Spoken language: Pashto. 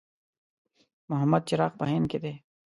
محمد چراغ په هند کې دی.